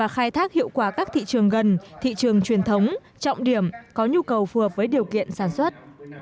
liệu quả các thị trường gần thị trường truyền thống trọng điểm có nhu cầu phù hợp với điều kiện sản xuất